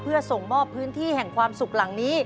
เพื่อส่งมอบพื้นที่แห่งความสุขหลังนี้